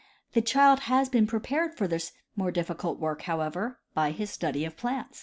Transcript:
The child has been prepared for this more difficult work, however, by his study of plants.